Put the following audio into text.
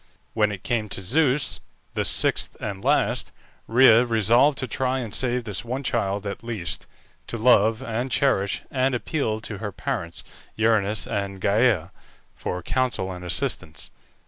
When it came to Zeus, the sixth and last, Rhea resolved to try and save this one child at least, to love and cherish, and appealed to her parents, Uranus and Gæa, for counsel and assistance.